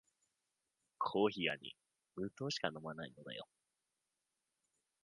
コーヒーは無糖しか飲まない